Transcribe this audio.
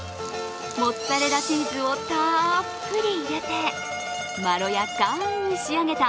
モッツァレラチーズをたっぷり入れて、まろやかに仕上げた